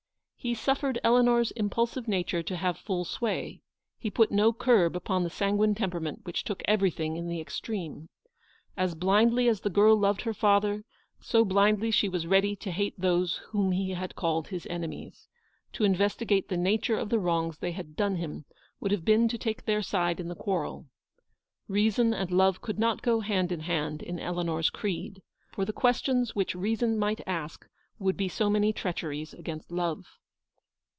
He suffered Eleanor's impulsive nature to have full sway ; he put no curb upon the sanguine temperament which took everything in the extreme. As blindly as the girl loved her father, so blindly she was ready to hate those whom he called his enemies. To investigate the nature of the wrongs they had done him would have been to take their side in the quarrel. Reason and Love could not go hand in hand in Eleanor's creed; for the ques tions which Reason might ask would be so many treacheries against Love.